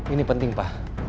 ini penting pa